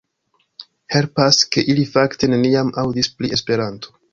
Helpas, ke ili fakte neniam aŭdis pri Esperanto.